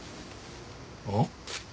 あっ？